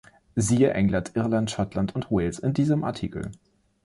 Siehe England, Irland, Schottland und Wales in diesem Artikel.